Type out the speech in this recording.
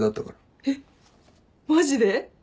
えっマジで？